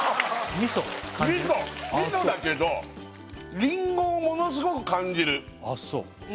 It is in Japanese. みそだけどリンゴをものすごく感じるああそう？